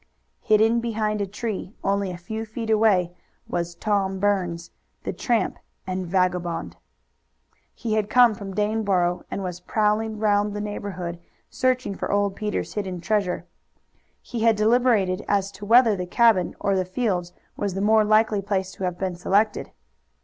Hidden behind a tree only a few feet away was Tom Burns, the tramp and vagabond. He had come from Daneboro, and was prowling round the neighborhood searching for old Peter's hidden treasure. He had deliberated as to whether the cabin or the fields was the more likely place to have been selected.